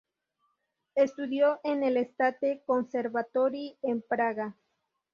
Estudió en el "State Conservatory" en Praga.